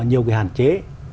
nhiều cái hạn chế